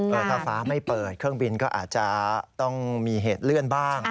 ถ้าฟ้าไม่เปิดเครื่องบินก็อาจจะต้องมีเหตุเลื่อนบ้าง